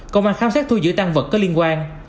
công an khám xét thu giữ tăng vật có liên quan